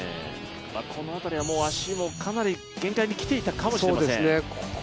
この辺りは足もかなり限界に来ていたかもしれません。